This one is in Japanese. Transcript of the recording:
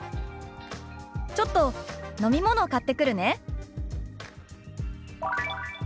「ちょっと飲み物買ってくるね」。